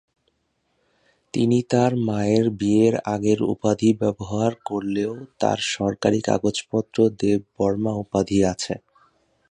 তিনি তার মায়ের বিয়ের আগের উপাধি ব্যবহার করলেও তার সরকারী কাগজপত্র দেব বর্মা উপাধি আছে।